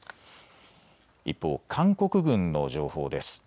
一方、韓国軍の情報です。